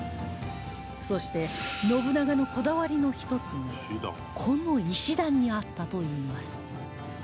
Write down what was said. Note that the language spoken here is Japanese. そして信長のこだわりの一つがこの石段にあったといいます